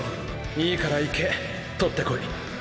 ⁉いいからいけ獲ってこい。